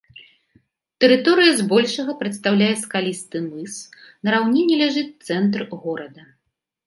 Тэрыторыя збольшага прадстаўляе скалісты мыс, на раўніне ляжыць цэнтр горада.